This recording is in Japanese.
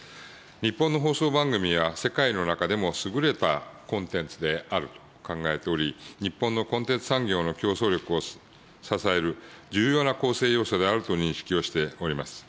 日本の放送番組は、世界の中でも優れたコンテンツであると考えており、日本のコンテンツ産業の競争力を支える重要な構成要素であると認識をしております。